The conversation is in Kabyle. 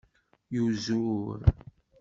Yuzur.